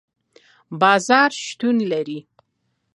بازار شتون لري